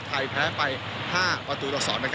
ไทยแพ้ไป๕ประตูต่อ๒